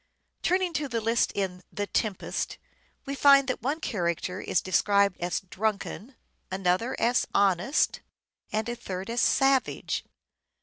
Turning to the list in " The Tempest " we find that one character is described as " drunken," another as " honest," and a third as " savage."